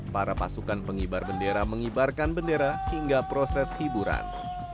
para pasukan pengibar bendera mengibarkan bendera hingga proses hiburan